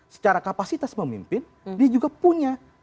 secara kapasitas memimpin dia juga punya